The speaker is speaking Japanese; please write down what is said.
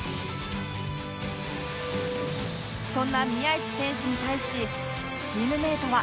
そんな宮市選手に対しチームメイトは